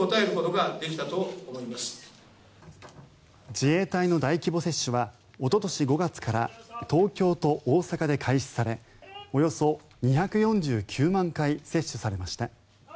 自衛隊の大規模接種はおととし５月から東京と大阪で開始されおよそ２４９万回接種されました。